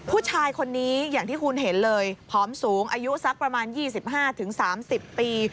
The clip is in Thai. ผู้ชายคนนี้อย่างที่คุณเห็นเลยผอมสูงอายุสักประมาณ๒๕๓๐ปี